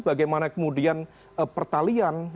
bagaimana kemudian pertalian